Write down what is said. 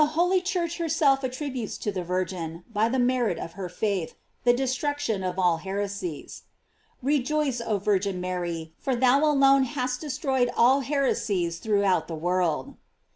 holy Church herself attributes to the Virgin, by the merit of her faith, the destruction of all heresies: "Rejoice, oh Virgin Mary, for thou alone hast destroyed all heresies throughout the world."